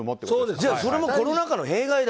じゃあそれもコロナ禍の弊害だ！